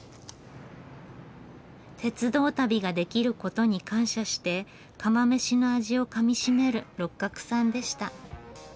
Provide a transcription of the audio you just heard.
鉄道旅ができることに感謝して釜めしの味をかみしめる六角さんでした。